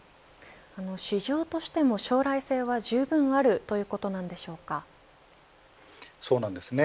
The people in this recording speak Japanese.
市場としても将来性はじゅうぶんあるそうなんですね。